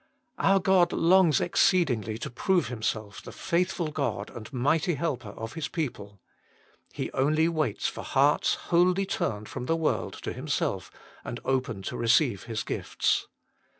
Our God longs exceedingly to prove Himself the Faithful God and Mighty Helper of His peopla He only waits for hearts wholly turned from the world to Himself, and open to receive His gifts.